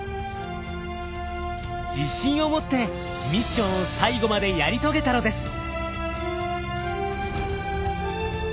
自信を持ってミッションを最後までやり遂げたのです。